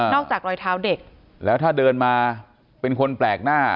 จากรอยเท้าเด็กแล้วถ้าเดินมาเป็นคนแปลกหน้า